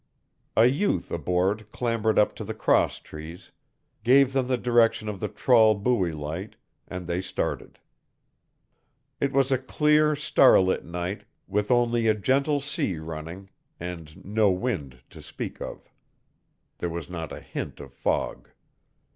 A youth aboard clambered up to the cross trees, gave them the direction of the trawl buoy light, and they started. It was a clear, starlit night with only a gentle sea running and no wind to speak of. There was not a hint of fog.